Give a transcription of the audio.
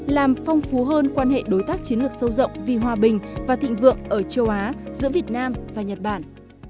làm phong phú hơn quan hệ đối tác chiến lược sâu rộng vì hòa bình và thịnh vượng ở châu á giữa việt nam và nhật bản